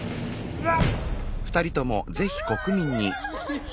うわ！